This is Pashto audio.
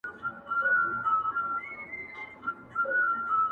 خدايه په دې شریر بازار کي رڼایي چیري ده،